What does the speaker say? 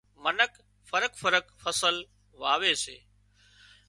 منک فرق فرق فصل واوي سي